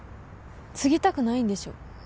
継ぎたくないんでしょ？